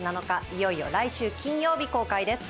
いよいよ、来週金曜日公開です。